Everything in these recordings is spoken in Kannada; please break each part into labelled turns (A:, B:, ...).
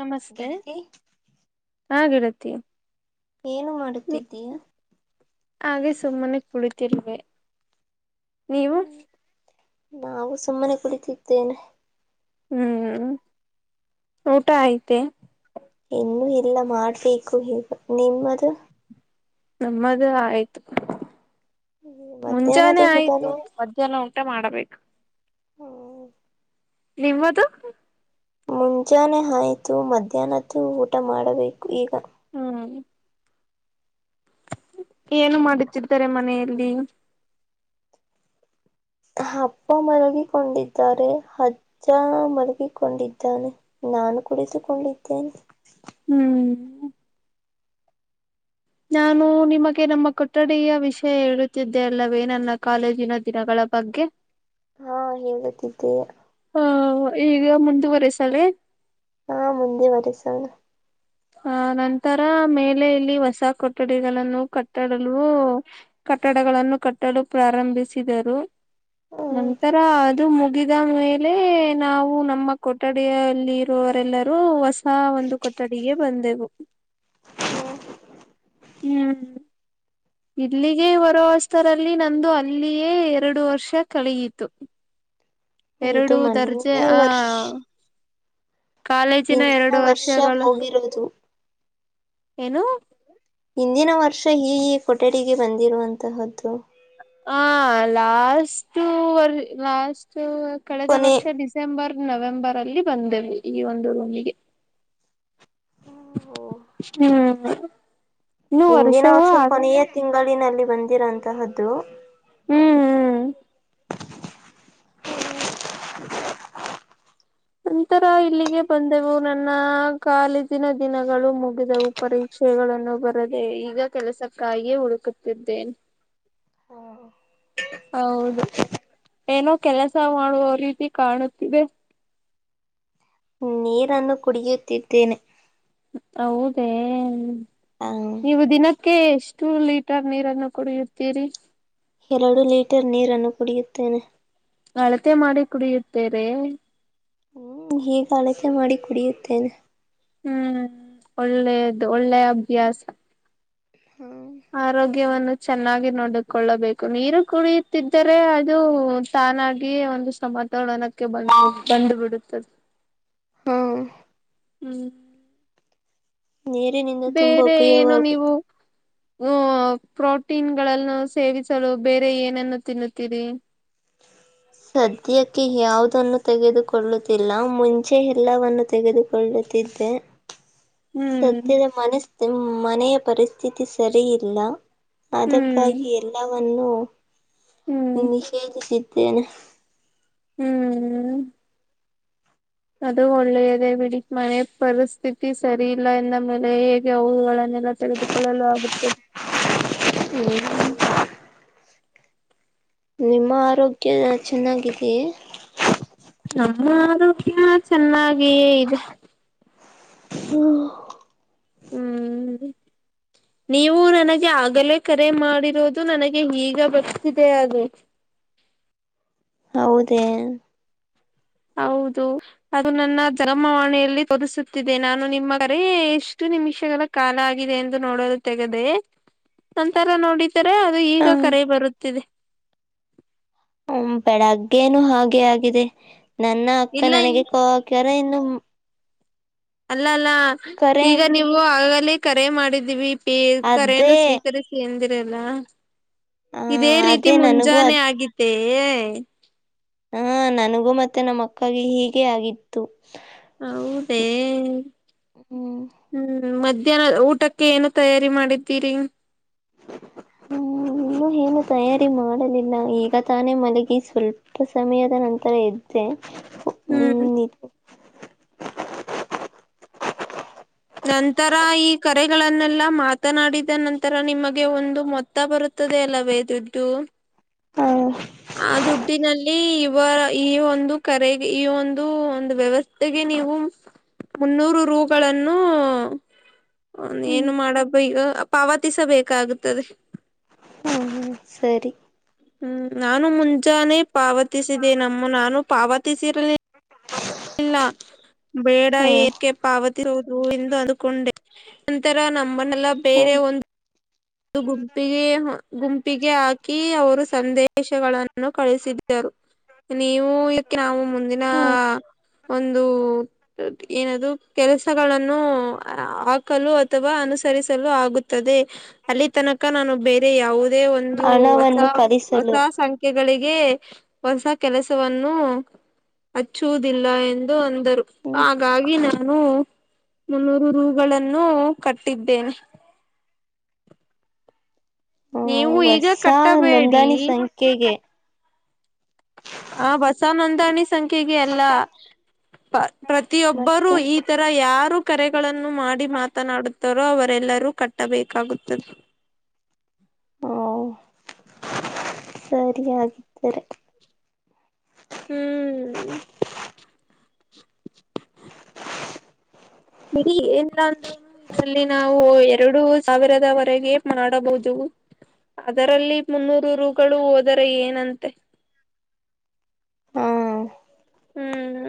A: ನಮಸ್ತೆ
B: ಗೆಳತಿ
A: ಹಾ ಗೇಳತಿ
B: ಏನು ಮಾಡುತ್ತಿದ್ದೀಯಾ.
A: ಹಾಗೆ ಸುಮ್ಮನೆ ಕುಳಿತಿರ್ರುವೆ ನೀವು
B: ನಾವು ಸುಮ್ಮನೆ ಕುಳಿತಿದ್ದೇನೆ
A: ಹ್ಮ್ ಊಟಾ ಆಯಿತ್ತೆ.
B: ಇನ್ನು ಇಲ್ಲಾ ಮಾಡ್ಬೇಕು ಇಗ ನಿಮ್ಮದು
A: ನಮ್ಮದೇ ಆಯ್ತು
B: ಮಧ್ಯಾಹ್ನದ
A: ಮುಂಜಾನೆ ಆಯ್ತು
B: ಊಟನ
A: ಮಧ್ಯಾಹ್ನ ಉಂಟು ಊಟಾ ಮಾಡಬೇಕ ನಿಮ್ಮದು
B: ಮುಂಜಾನೆ ಆಯಿತು ಮಧ್ಯಾಹ್ನ್ದೂ ಊಟ ಮಾಡಬೇಕು ಈಗಾ
A: ಹ್ಮ್ ಏನು ಮಾಡುತ್ತಿದ್ದಾರೆ ಮನೆಯಲ್ಲಿ
B: ಅಪ್ಪಾ ಮಲಗಿಕೊಂಡಿದ್ದಾರೆ ಅಜ್ಜ ಮಲಗಿಕೊಂಡಿದ್ದಾನೆ. ನಾನು ಕುಳಿತುಕೊಂಡಿದ್ದೇನೆ.
A: ಹ್ಮ್ ನಾನು ನಿಮಗೆ ನಮ್ಮ ಕೊಠಡಿಯ ವಿಷಯ ಹೇಳುತ್ತಿದ್ದೆ ಅಲ್ಲವೇ ನನ್ನ ಕಾಲೇಜಿನ ದಿನಗಳ ಬಗ್ಗೆ
B: ಹಾ ಹೇಳುತಿದ್ದೆಯೇ
A: ಹಾ ಈಗ ಮುಂದುವರೆಸಲೇ
B: ಹಾ ಮುಂದೆ ವರೆಸೋಣ
A: ಆ ನಂತರಾ ಮೇಲೆ ಇಲ್ಲಿ ಹೊಸ ಕೊಠಡಿಗಳನ್ನು ಕಟ್ಟಾಡಲು ಕಟ್ಟಡಗಳನ್ನು ಕಟ್ಟಲು ಪ್ರಾರಂಭಿಸಿದರು.
B: ಹ್ಮ
A: ನಂತರ ಅದು ಮುಗಿದ ಮೇಲೆ ನಾವು ನಮ್ಮ ಕೊಠಡಿಯಲ್ಲಿ ಇರೋವ ಎಲ್ಲರೂ ಹೊಸ ಒಂದು ಕಟ್ಟಡ ಈಗ ಬಂದೆವು ಹ್ಮ್ ಇಲ್ಲಿಗೆ ಬರುವ ವಸ್ಟರಲ್ಲಿ ನಂದು ಅಲ್ಲಿಯೇ ಎರಡು ವರ್ಷ ಕಳೆಯಿತು
B: ಇದು
A: ಎರಡು ದರ್ಜೆ
B: ಮೊನ್ನೆ
A: ಆ
B: ವರ್ಷ
A: ಕಾಲೇಜಿನ
B: ಹಿಂದಿನ
A: ಎರಡು
B: ವರ್ಷ
A: ವರ್ಷಗಳು
B: ಹೋಗಿರೋದು
A: ಏನು
B: ಇಂದಿನ ವರ್ಷ ಈ ಈ ಕೊಠಡಿಗೆ ಬಂದಿರುವಂತಹದ್ದು.
A: ಹಾ ಲಾಸ್ಟ್ರ್ ಲಾಸ್ಟ್ ಕಳೆದ
B: ಕೊನೆ
A: ವರ್ಷ ಡಿಸೆಂಬರ್ ನವೆಂಬರ್ ಅಲ್ಲಿ ಬಂದೇವೆ ಈ ಒಂದು ರೂಮಿಗೆ ಹ್ಮ
B: ಹಿಂದಿನ ವರ್ಷ ಕೊನೆಯೇ ತಿಂಗಳಿನಲ್ಲಿ ಬಂದಿರಂತಹದ್ದು
A: ಹ್ಮ್ ಹ್ಮ್ ನಂತರ ಇಲ್ಲಿಗೆ ಬಂದೆವು ನನ್ನ ಕಾಲೇಜಿನ ದಿನಗಳು ಮುಗಿದೆವು ಪರೀಕ್ಷೆ ವಿಷಯಗಳನ್ನು ಬರದೆ ಈಗ ಕೆಲಸಕ್ಕಾಗಿಯೇ ಹುಡುಕುತ್ತಿದ್ದೇನೆ
B: ಹ್ಮ
A: ಹೌದು ಏನೋ ಕೆಲಸ ಮಾಡುವ ರೀತಿ ಕಾಣುತ್ತಿದೆ
B: ನೀರನ್ನು ಕುಡಗಿಯುತ್ತಿದ್ದೇನೆ
A: ಹೌದೇ
B: ಆ
A: ನೀವು ದಿನಕ್ಕೆ ಎಷ್ಟ ಟು ಲೀಟರ್ ನೀರನ್ನು ಕುಡಿಯುತ್ತೀರಿ
B: ಎರಡು ಲೀಟರ್ ನೀರನ್ನು ಕುಡಿಯುತ್ತೇನೆ
A: ಅಳತೆ ಮಾಡಿ ಕುಡಿಯುತ್ತೇರೆ
B: ಹ್ಮ್ ಹೀಗ ಅಳತೆ ಮಾಡಿ ಕುಡಿಯುತ್ತೇನೆ
A: ಹ್ಮ್ ಒಳ್ಳೆದು ಒಳ್ಳೆ ಅಭ್ಯಾಸ
B: ಹಾ
A: ಆರ ಚೆನ್ನಾಗಿ ನೋಡಿಕೊಳ್ಳಬೇಕು ನೀರು ಕುಡಿಯುತ್ತಿದ್ದರೆ ಅದು ತಾನಾಗಿ ಒಂದು ಸಮತೋಲನಕ್ಕೆ ಬಂದು ಬಂದು ಬಿಡತದೆ
B: ಹ್ಮ
A: ಹ
B: ನೀರಿನಿಂದ ತುಂಬಾ
A: ಬೇರೆ ಏನು
B: ಉಪಯೋಗವಾಗುತ್ತೆ
A: ನೀವು ಹ ಪ್ರೋಟೀನ್ ಗಳನ್ನು ಸೇವಿಸಲು ಬೇರೆ ಏನನ್ನು ತಿನ್ನುತ್ತೀರಿ [inaudible]
B: ಸದ್ಯಕ್ಕೆ ಯವುದು ನ್ನು ತೆಗೆದುಕೊಳ್ಳುತ್ತಿಲ್ಲ ಮುಂಚೆ ಎಲ್ಲವನ್ನು ತೆಗೆದುಕೊಳ್ಳುತ್ತಿದ್ದೆ
A: ಹ್ಮ್
B: ಸದ್ಯದ ಮನಸ್ ಮನೆಯ ಪರಿಸ್ಥಿತಿ ಸರಿಯಿಲ್ಲ
A: ಹ್ಮ್
B: ಅದಕ್ಕಾಗಿ ಎಲ್ಲವನ್ನುೂ
A: ಹ್ಮ್
B: ನಿಷೇಧಿಸಿದ್ದೇನೆ
A: ಹೂ ಅದು ಒಳ್ಳೆಯದ ಬಿಡ ಮನೆ ಪರಿಸ್ಥಿತಿ ಸರಿ ಇಲ್ಲ ಎಂದ ಮೇಲೆ ಹೇಗೆ ಅವುಗಳನ್ನ ಎಲ್ಲ ತೆಗೆದುಕೊಳ್ಳಲು ಆಗುತ್ತದೆ
B: ನಿಮ್ಮ ಆರೋಗ್ಯ ಚೆನ್ನಾಗಿದಿಯೇ
A: ನ ಆರೋಗ್ಯ ಚೆನ್ನಾಗಿಯೇ ಇದೆ
B: ಹೂ
A: ಹೂ ನೀವು ನನಗೆ ಆಗಲೇ ಕರೆ ಮಾಡಿರೋದು ನನಗೆ ಈಗ ಗೊತ್ತಿದೆ ಅದು [inaudible]
B: ಹೌದೇ
A: ಹೌದು ಅದು ನನ್ನ ಜಮವಾಣಿಯಲ್ಲಿ ತೊದಸುತ್ತಿದೆ ನಾನು ನಿಮ್ಮ ಕರ ಎಷ್ಟು ನಿಮಿಷಗಳ ಕಾಲ ಆಗಿದೆ ಎಂದು ನೋಡಲು ತಗದೆ ನಂತರ ನೋಡ ರ ಅದು ಈಗ ಕರೆ
B: ಹ್ಮ
A: ಬರುತ್ತಿದೆ
B: ಹ ಬೆಳಗ್ಗೇನು ಹಾಗೆ ಆಗಿದೆ ನನ್ನ ಅಕ್ಕ
A: ಇಲ್ಲ
B: ನನಗೆ
A: ಇಲ್ಲ
B: ಕ ಹಾಕ್ಯಾರ ಇನ್ನು
A: ಇಲ್ಲಲ್ಲ
B: ಕರೆ
A: ಈಗ ನೀವು ಆಗಲೇ ಕರೆ ಮಾಡಿದೀವಿ ಈ ಕರೆಯನು
B: ಅದೇ
A: ಸ್ವೀಕರಿಸಿ ಎಂದಿರಲ್ಲ
B: ಹ
A: ಇದೇ ರೀತಿ
B: ಅದೇ ನನಗೂ
A: ಮುಂಜಾನೆ ಆಗಿದ್ದೇ
B: ಹಾ ನನಗೂ ಮತ್ತೆ ನಮ್ಮ ಅಕ್ಕಗ ಹೀಗೆ ಆಗಿತ್ತು
A: ಹೌದೇ
B: ಹ್ಮ್
A: ಹೂ ಮಧ್ಯಾಹ್ನ ಊಟಕ್ಕೆ ಏನು ತಯಾರಿ ಮಾಡಿದ್ದೀರಿ
B: ಹೂ ಇನ್ನೂ ಏನುೂ ತಯಾರಿ ಮಾಡಲಿಲ್ಲ ಈಗ ತಾನೇ ಮಲಗಿ ಸ್ವಲ್ಪ ಸಮಯದ ನಂತರ ಇದ್ದೆ ಹ್ಮ್ ನಿ
A: ನಂತರ ಈ ಕರೆಗಳನ್ನೆಲ್ಲಾ ಮಾತನಾಡಿದ ನಂತರ ನಿಮಗೆ ಒಂದು ಮೊತ್ತ ಬರುತ್ತೆ ಹತದೆ ಅಲ್ಲವೇ ದುಡ್ಡು
B: ಹ
A: ಆ ದುಡ್ಡಿನಲ್ಲಿ ಇವ ಈ ಒಂದು ಕರೆಗೆ ಈ ಒಂದು ಒಂದು ವ್ಯವಸ್ಥೆಗೆ ನೀವು ಮುನ್ನೂರು ರುಗಳನ್ನು
B: ಹ್ಮ್
A: ಏನು ಮಾಡಬ ಈಗ ಪಾವತಿಸಬೇಕಾಗುತ್ತದೆ
B: ಹ್ಮ್ ಹ್ಮ್ ಸರಿ
A: ಹ್ಮ್ ನಾನು ಮುಂಜಾನೆ ಪಾವತಿಸಿದೆ ನಮ್ಮ ನಾನು ಪಾವತಿಸಿರಲ ಇಲ್ಲ ಬೇಡ
B: ಹಾ
A: ಏಕೆ ಪಾವತಿ ಹ ಹೂವಿಂದು ಅದಕೊಂಡೆ ನಂತರ ನಮ್ಮನ್ನೆಲ್ಲಾ
B: ಹಾ
A: ಬೇರೆ ಒಂದು ಅದು ಗುಂಪಿಗೆ ಗುಂಪಿಗೆ ಹಾಕಿ ಅವರು ಸಂದೇಶಗಳನ್ನು ಕಳಿಸಿದ್ದರು ನೀವು ಇದಕ್ಕೆ ನಾವು ಮುಂದಿನ
B: ಹ್ಮ
A: ಒಂದು ಏನದು ಕೆಲಸಗಳನ್ನು ಹಾಕಲು ಅಥವಾ ಅನುಸ ಸರಿಸಲು ಆಗುತ್ತದೆ ಅಲ್ಲಿ ತನಕ ನಾನು ಬೇರೆ ಯಾವುದೇ ಒಂದು ಹೊಸ
B: ಹಣವನ್ನು
A: ಹೊಸ
B: ಕಲಿಸಲು
A: ಸಂಖ್ಯೆಗಳಿಗೆ ಗೆ ಹೊಸ ಕೆಲಸವನ್ನು ಹಚ್ಚುವುದಿಲ್ಲ ಎಂದು ಅಂದರು
B: ಹ್ಮ್
A: ಹಾಗಾಗಿ ನಾನು ಮುನ್ನೂರು ರುಗಳನ್ನು ಕಟ್ಟಿದ್ದೇನೆ
B: ಒ
A: ನೀವು ಈಗ
B: ಹೊಸ
A: ಕಟ್ಟಬೇಡಿ
B: ನೋಂದಾಣಿ ಸಂಖ್ಯೆಗೆ
A: ಆ ಹೊಸ ನೋಂದಣಿ ಸಂಖ್ಯೆಗೆ ಅಲ್ಲ ಪ್ರ ಪ್ರತಿಯೊಬ್ಬರು
B: ಮತ್ತೆ
A: ಈ ತರ ಯಾರು ಕರೆಗಳನ್ನು ಮಾಡಿ ಮಾತನಾಡು ತರೋ ಅವರೆಲ್ಲರೂ ಕಟ್ಟಬೇಕಾಗುತ್ತದೆ.
B: ಹ್ ಓ ಸರಿಯಾಗಿದ್ದರೆ
A: ಹ್ಮ್ ಬಿಡಿ ಎನ್ನಿಲ್ಲಾಂದರೂ ಇದರಲ್ಲಿ ನಾವು ಎರಡು ಸಾವಿರದವರೆಗೆ ಮಾಡಬಹುದು. ಅದರಲ್ಲಿ ಮೂನ್ನೂರು ರೂಗಳು ಹೋದರೆ ಏನಂತೆ
B: ಹಾ
A: ಹ್ಮ್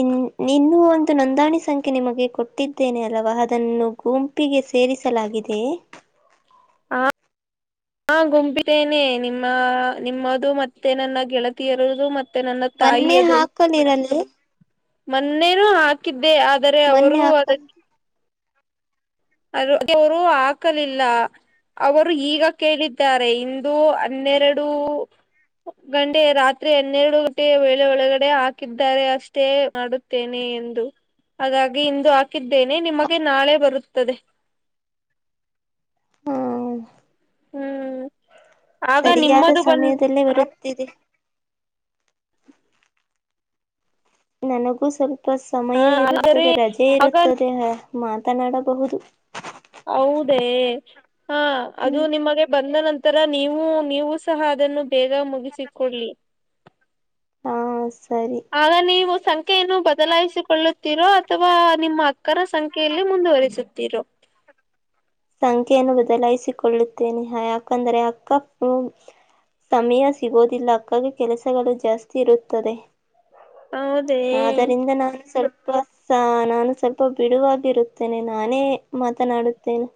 B: ಇನ್ ನೀನು ಒಂದು ನೋಂದಾಣಿ ಸಂಖ್ಯೆ ನಿಮಗೆ ಕೊಟ್ಟಿದ್ದೇನೆ ಅಲ್ವಾ ಅದನ್ನು ಗುಂಪಿಗೆ ಸೇರಿಸಲಾಗಿದೆೆಯೇ?
A: [inaudible] ಹಾ ಗುಂಪಿದ್ದೇನೆ ನಿಮ್ಮ ನಿಮ್ಮದು ಮತ್ತೆ ನನ್ನ ಗೆಳತಿಯರದು ಮತ್ ತ್ತೆ ನನ್ನ ತಾಯಿ
B: ಮೊನ್ನೆ
A: ಅದು
B: ಹಾಕಲಿರಲು
A: ಮೊನ್ನೇನು ಹಾಕಿದ್ದೆ ಆದರೆ ಅವರು
B: ಮೊನ್ನೆ ಹಾಕಲ್
A: ಅದಕ್ಕೆ ಅದ್ ಅವರು ಹಾಕಲಿಲ್ಲ ಅವರು ಈಗ ಕೇಳಿದ್ದಾರೆ ಇಂದು ಹನ್ನೆರಡು ಗಂಟೆ ರಾತ್ರಿ ಹನ್ನೆರಡು ಗಂಟೆ ವೇಳೆ ಒಳಗಡೆ ಹಾಕಿದ್ದಾರೆ ಅಷ್ಟೇ ಮಾಡುತ್ತೇನೆ. ಎಂದು ಹಾಗಾಗಿ ಇಂದು ಹಾಕಿದ್ದೇನೆ ನಿಮಗೆ ನಾಳೆ ಬರುತ್ತ್ ತ್ತದೆ
B: ಹ್ ಹ
A: ಆಗ
B: ಸರಿಯಾದ
A: ನಿಮ್ಮದು ಬಂದ
B: ಸಮಯದಲ್ಲೇ ಬರುತ್ತಿದೆ. ನನಗೂ ಸ್ವಲ್ಪ
A: ಹ
B: ಸಮಯ
A: ಆದರೆ
B: ಇರುತ್ತದೆ ರಜೆ
A: ಆಗ
B: ಇರುತ್ತದೆ. ಹ ಮಾತನಾಡಬಹುದು.
A: ಹೆ ಹಾ ಅದು ನಿಮಗೆ ಬಂದ ನಂತರ ತರ ನೀವು ನೀವು ಸಹ ಅದನ್ನು ಬೇಗ ಮುಗಿಸಿಕೊಳ್ಳಿ
B: ಹಾ ಸರಿ
A: ಆಗ ನೀವು ಸಂಖ್ಯೆಯನ್ನು ಬದಲಾಯಿಸಿಕೊಳ್ಳ್ ತಿರೋ ಅಥವಾ ನಿಮ್ಮ ಅಕ್ಕರ ಸಂಖ್ಯೆಯಲ್ಲಿ ಮುಂದುವರಿಸುತ್ತೀರೋ.
B: ಸಂಖ್ಯೆಯನ್ನು ಬದಲಾಯಿಸಿಕೊಳ್ಳುತ್ತೇನೆ ಯಾಕಂದರೆೆ ಅಕ್ಕ ಪೋನ್ ಸಮಯ ಸಿಗೋದಿಲ್ಲ ಅಕ್ಕಗೆ ಕೆಲಸಗಳು ಜಾಸ್ತಿ ಇರುತ್ತದೆ.
A: ಹೌದೇ
B: ಆದ್ದರಿಂದ ನಾನು ಸ್ವಲ್ಪ ಹೊಸ ನಾನು ಸ್ವಲ್ಪ ಬಿಡುವಾಗಿರುತ್ತೇನೆ ನಾನೇ ಮಾತನಾಡುತ್ತೇನೆ.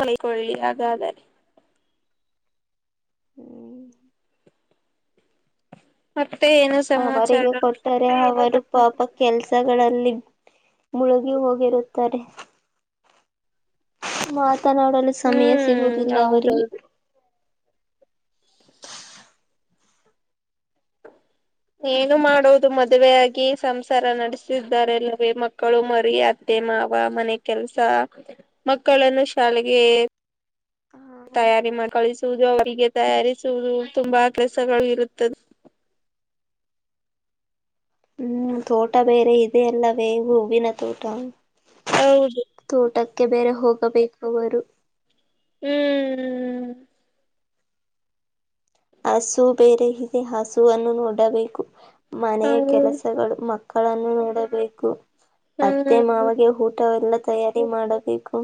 A: ಅಂಕೊಳ್ಳಿ ಹಾಗಾದಾರೆ ಮತ್ತ್
B: ಅವರಿಗೂ ಕೊಟ್ಟಾರೆ ಅವರು ಪಾಪ ಕೆಲಸಗಳಲ್ಲಿ ಮುಳುಗಿ ಹೋಗಿರುತ್ತಾರೆ. ಮಾತನಾಡಲು ಸಮಯ
A: ಹ್ಮ್
B: ಸಿಗುವುದಿಲ್ಲ ಅವರಿಗೆ
A: ಹೌದೌದು ಏನು ಮಾಡೋದು ಮದುವೆೆಯಾಗಿ ಸಂಸಾರ ನಡೆಸಿದ್ದಾರೆ ಅಲ್ಲವೇ ಮಕ್ಕಳು ಮರಿ ಅತ್ತೆ ಅತ್ತೆ ಮಾವ ಮನೆ ಕೆಲಸ ಮಕ್ಕಳನ್ನು ಶಾಲೆಗೆ ತಯಾರಿ ಮಾಡಿ ಕಳಿಸುವುದು ಅವರಿಗೆ ತಯಾರಿಸುವುದು ತುಂಬಾ ಕೆಲಸಗಳು ಇರುತ್ತದೆ. [unintelligible]
B: ಹ್ಮ್ ತೋಟ ಬೇರೆ ಇದೆ ಅಲ್ಲವೇ ಹೂವಿನ ತೋಟ
A: ಹೌದು
B: ಕ್ಕೆ ಬೇರೆ ಹೋಗಬೇಕು ಅವರು
A: ಹ್ಮ್ ಹ್ಮ್
B: ಹಸು ಬೇರೆ ಇದೆ ಹಸುವನ್ನು ನೋಡಬೇಕು ಮನೆಯ
A: ಹೌದು
B: ಕೆಲಸಗಳು ಮಕ್ಕ್ ಕ್ಕಳನ್ನು ನೋಡಬೇಕು ಅತ್ತೆ
A: ಹ್ಮ್
B: ಮಾವಗೆ ಊಟವೆಲ್ಲ ತಯಾರಿ ಮಾಡಬೇಕು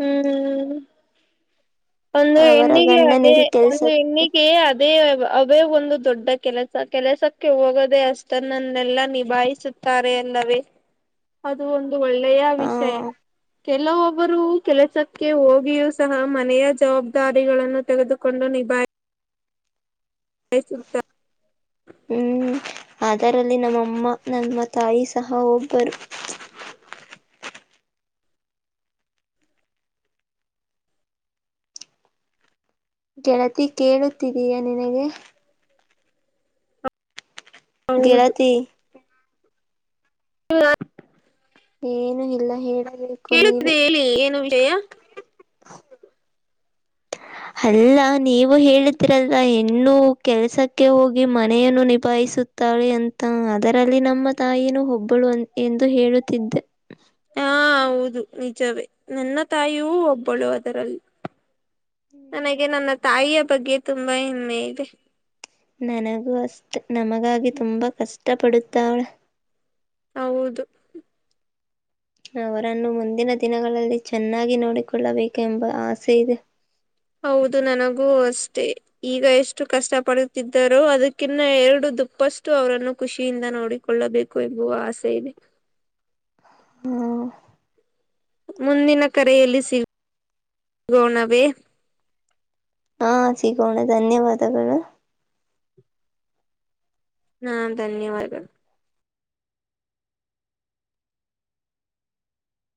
A: ಹ್ಮ್ ಒಂದು
B: ಅವರ
A: ಹೆಣ್ಣಿಗೆ ಅದೇ
B: ಗಂಡನಿಗೆ
A: ಒಂದು
B: ಕೆಲ್ಸಕ್ಕೆ
A: ಹೆಣ್ಣಿಗೆ ಅದೇ ಅಭ್ ಅದೇ ಒಂದು ದೊಡ್ಡ ಕೆಲಸ ಕೆಲಸಕ್ಕೆ ಹೋಗದೆ ಅಷ್ಟನ್ನನ್ನೆಲ್ಲ ನಿಭಾಯಿಸುತ್ತಾರೆ ಅಲ್ಲಾವೇ ಅದು ಒಂದು ಒಳ್ಳೆಯ
B: ಹ
A: ವಿಷಯ ಕೆಲವೊಬ್ಬರು ಕೆಲಸಕ್ಕೆ ಹೋಗಿಯೂ ಸಹ ಮನೆಯ ಜವಾಬ್ದಾರಿಗಳನ್ನು ತೆಗೆದುಕೊಂಡು ನಿಭಾಯಿತ [unintelligible]
B: ಹ್ಮ್ ಅದರಲ್ಲಿ ನಮ್ಮಮ್ಮ ನನ್ನ ತಾಯಿ ಸಹ ಒಬ್ಬರು ಗೆಳತಿ ಕೇಳುತ್ತಿದ್ದೀಯಾ ನಿನಗೆ
A: ಹೌದು
B: ಗಳತಿ
A: ಹ
B: ಏನು ಇಲ್ಲ ಹೇಳಿ
A: ಕೇಳುತ್ತಿದೆ ಹೇಳಿ ಏನು ವಿಜಯ
B: [unintelligible] ಅಲ್ಲ ನೀವು ಹೇಳತಿೀರಲ್ಲ ಇನ್ನುೂ ಕೆಲ್ಸಕ್ಕೆ ಹೋಗಿ ಮನೆಯನ್ನು ನಿಭಾಯಿಸಿ ಸುತ್ತಾಳೆ ಅಂತ ಅದರಲ್ಲಿ ನಮ್ಮ ತಾಯಿನ ಒಬ್ಬಳು ಅ ಎಂದು ಹೇಳುತ್ತಿದ್ದೆ
A: ಹಾ ಹೌದು ನಿಜವೇ ನನ್ನ ತಾಯೂ ಒಬ್ಬಳು ಅದರಲ್ಲಿ ನನಗೆ ನನ್ನ ತಾಯಿಯ ಬಗ್ಗೆ ತುಂಬಾ ಹೆಮ್ಮೆ ಇದೆ
B: ನನಗೂ ಅಷ್ಟ ನಮಗಾಗಿ ತುಂಬಾ ಕಷ್ಟ ಪಡುತ್ತಾವಳ
A: ಹೌದು
B: ಅವರನ್ನು ಮುಂದಿನ ದಿನಗಳಲ್ಲಿ ಚೆನ್ನಾಗಿ ನೋಡಿಕೊಳ್ಳಬೇಕು ಎಂಬ ಆಸೆ ಇದೆ
A: ಹೌದು ನನಗೂ ಅಷ್ಟೇ ಈಗ ಎಷ್ಟು ಕಷ್ಟ ಪಡುತ್ತಿದ್ದರೋ ಅದಕ್ಕಿನ್ನ ಎರಡು ದು ತಪ್ಪಷ್ಟು ಅವರನ್ನು ಖುಷಿಯಿಂದ ನೋಡಿಕೊಳ್ಳಬೇಕು ಎಂಬುವ ಆಸೆ ಇದೆ
B: ಹ್ಮ
A: ಮುಂದಿನ ಕರೆಯಲ್ಲಿ ಸಿಗಗೋಣವೇ
B: ಹಾ ಸಿಗೋಣ ಧನ್ಯವಾದಗಳು
A: ಹಾ ಧನ್ಯವಾದಗಳು